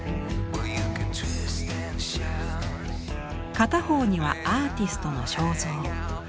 片方にはアーティストの肖像。